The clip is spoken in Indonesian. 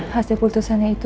hasil putusannya itu